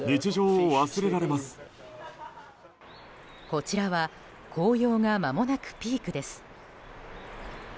こちらは、紅葉がまもなくピークです。